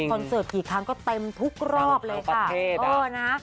คอนเสิร์ตกี่ครั้งก็เต็มทุกรอบเลยค่ะ